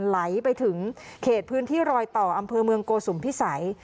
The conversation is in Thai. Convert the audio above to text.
ไหลไปถึงเขตพื้นที่รอยต่ออำเภอเมืองโกสุมพิสัย